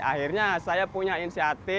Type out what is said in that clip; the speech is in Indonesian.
akhirnya saya punya inisiatif